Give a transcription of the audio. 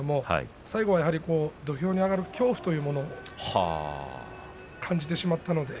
最後は土俵に上がる恐怖というものを感じてしまいました。